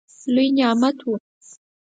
لوی نعمت وو.